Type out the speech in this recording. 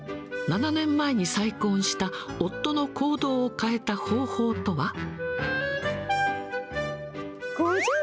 ７年前に再婚した夫の行動を変えた方法とは。